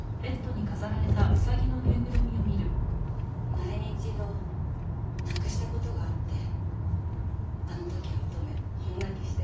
前に一度なくした事があってあの時は乙女大泣きして。